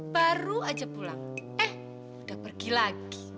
baru aja pulang eh udah pergi lagi